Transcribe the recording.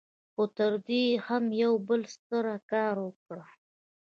خو تر دې يې هم يو بل ستر کار وکړ.